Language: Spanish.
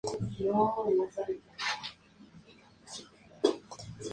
El Falkenstein alimentaba el martinete y la forja de Niederbronn-les-Bains.